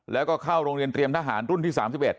แล้วก็เข้าโรงเรียนเตรียมทหารรุ่นที่๓๑